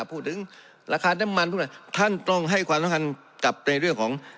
พูดถึงราคาน้ำมันพวกไหนท่านต้องให้ความสำคัญกับในเรื่องของ